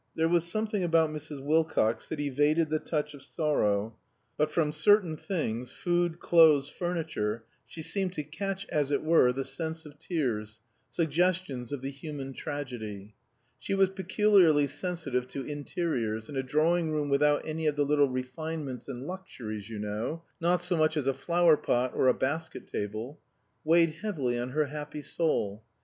There was something about Mrs. Wilcox that evaded the touch of sorrow; but from certain things food, clothes, furniture she seemed to catch, as it were, the sense of tears, suggestions of the human tragedy. She was peculiarly sensitive to interiors, and a drawing room "without any of the little refinements and luxuries, you know not so much as a flower pot or a basket table" weighed heavily on her happy soul.